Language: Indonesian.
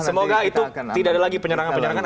semoga itu tidak ada lagi penyerangan penyerangan